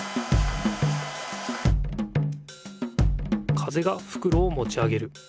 風がふくろをもち上げる。